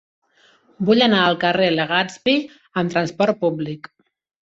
Vull anar al carrer de Legazpi amb trasport públic.